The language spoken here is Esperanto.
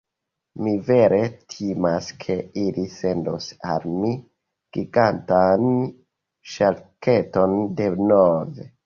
Mi vere timas ke ili sendos al mi gigantan ŝarketon denove.